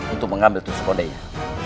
untuk mengambil tusuk kondinya